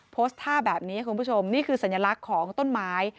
โพสต์ท่าแบบนี้คุณผู้ชมนี่คือสัญลักษณ์ของต้นไม้